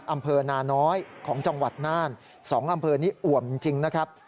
อำเภอนาน้อยของจังหวัดน่าน๒อำเภอนี้อ่วมจริงนะครับ